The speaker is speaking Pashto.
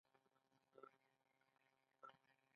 ایا کله مو د وینې فشار لوړ شوی دی؟